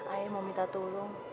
ayah mau minta tolong